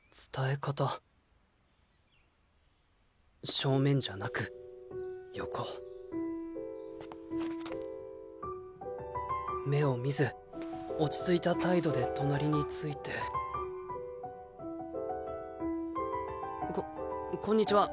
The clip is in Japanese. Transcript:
正面じゃなく横目を見ず落ち着いた態度で隣についてここんにちは。